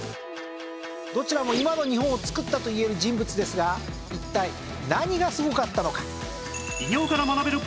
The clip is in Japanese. どちらも今の日本をつくったといえる人物ですが一体何がすごかったのか？